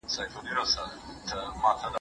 اوس نو راغلم سوداګر شوم د انارو